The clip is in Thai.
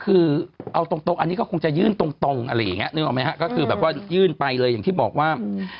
คือเอาตรงตรงอันนี้ก็คงจะยื่นตรงตรงอะไรอย่างเงี้นึกออกไหมฮะก็คือแบบว่ายื่นไปเลยอย่างที่บอกว่า